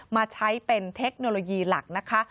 มาใช้เป็นเทคโนโลยีหลักนะคะ